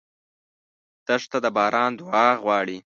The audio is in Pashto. دښته د باران دعا غواړي.